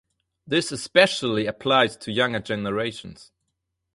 This especially applies to younger generations.